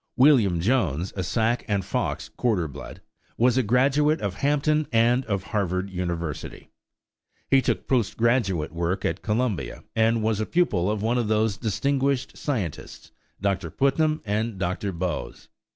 William Jones, a Sac and Fox quarter blood, was a graduate of Hampton and of Harvard University. He took post graduate work at Columbia, and was a pupil of those distinguished scientists, Dr. Putnam and Dr. Boas.